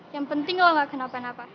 yang penting gue gak kena apa apa